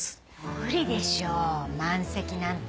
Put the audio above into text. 無理でしょ満席なんて。